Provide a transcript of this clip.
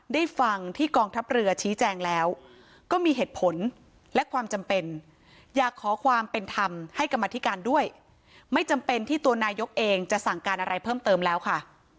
ได้ฟังที่กองทัพเรือชี้แจงแล้วก็มีเหตุผลและความจำเป็นอยากขอความเป็นธรรมให้กรรมธิการด้วยไม่จำเป็นที่ตัวนายกเองจะสั่งการอะไรเพิ่มเติมแล้วค่ะ